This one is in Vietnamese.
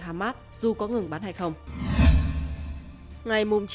trước đó israel cho rằng đề xuất ngừng bắn không đáp ứng các điều kiện của nước này